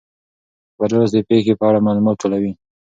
خبریال اوس د پیښې په اړه معلومات ټولوي.